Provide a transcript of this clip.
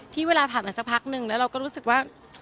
เวลาผ่านมาสักพักนึงแล้วเราก็รู้สึกว่า